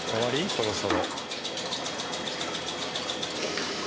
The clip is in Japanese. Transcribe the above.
そろそろ。